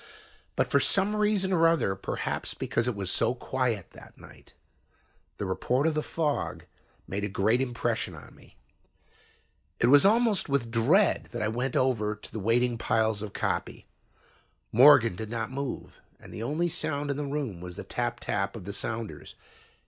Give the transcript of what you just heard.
But for some reason or other, perhaps because it was so quiet that night, the report of the fog made a great impression on me. It was almost with dread that I went over to the waiting piles of copy. Morgan did not move, and the only sound in the room was the tap tap of the sounders.